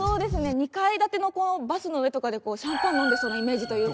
２階建てのバスの上とかでシャンパン飲んでそうなイメージというか。